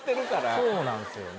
そうなんですよね。